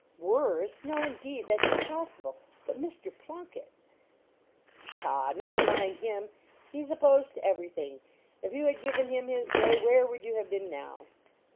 "Worse! No, indeed, that's impossible. But Mr. Plunket!" "Pshaw! never mind him; he's opposed to every thing. If you had given him his way, where would you have been now?"